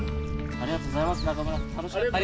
ありがとうございます。